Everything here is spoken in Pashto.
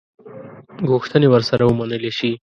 غوښتني ورسره ومنلي شي.